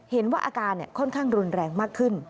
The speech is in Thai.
เห็นว่าอาการค่อนข้างรุนแรงมากขึ้น